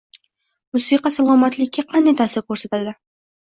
Musiqa salomatlikka qanday ta’sir ko‘rsatadi?